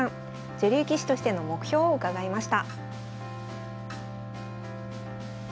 女流棋士としての目標を伺いました。